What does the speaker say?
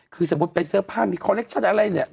คือสมมติไปเสื้อผ้ามีเช่นอะไร